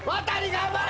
頑張れ！